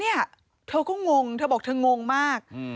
เนี่ยเธอก็งงเธอบอกเธองงมาก